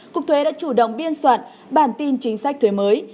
cục thuế đã chủ động biên soạn bản tin chính sách thuế mới